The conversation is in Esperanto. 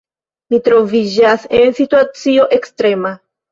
Mi troviĝas en situacio ekstrema.